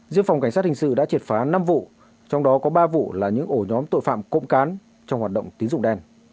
riêng phòng cảnh sát hình sự đã triệt phá năm vụ trong đó có ba vụ là những ổ nhóm tội phạm cộng cán trong hoạt động tín dụng đen